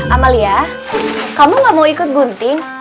amalia kamu gak mau ikut gunting